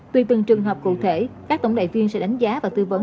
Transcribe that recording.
tùy từng trường hợp cụ thể các tổng đài tiên sẽ đánh giá và tư vấn